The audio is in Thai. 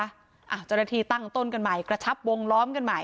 เจ้าหน้าที่ตั้งต้นกันใหม่กระชับวงล้อมกันใหม่